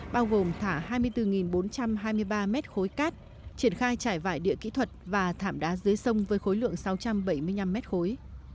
bao gồm thả hai mươi bốn bốn trăm hai mươi ba mét khối cát triển khai trải vải địa kỹ thuật và thảm đá dưới sông với khối lượng sáu trăm bảy mươi năm mét khối